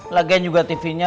lagian juga tv nya